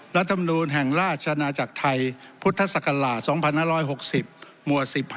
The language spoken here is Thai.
รัฐมนุนแห่งราชชนะจากไทยพุทธศักราช๒๕๖๐ม๑๕